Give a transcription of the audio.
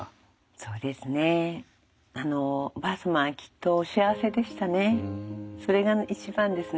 そうですねおばあ様はきっとお幸せでしたね。